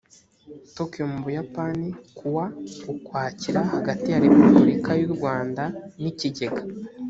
tokyo mu buyapani kuwa ukwakira hagati ya repubulika y u rwanda n ikigega